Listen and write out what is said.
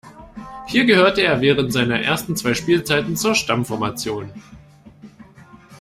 Hier gehörte er während seiner ersten zwei Spielzeiten zur Stammformation.